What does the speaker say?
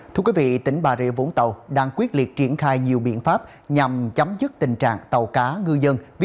thưa quý vị tỉnh bà rịa vũng tàu đang quyết liệt triển khai nhiều biện pháp nhằm chấm dứt tình trạng tàu cá ngư dân vi phạm